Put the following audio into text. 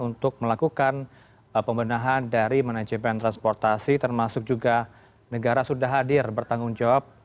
untuk melakukan pembenahan dari manajemen transportasi termasuk juga negara sudah hadir bertanggung jawab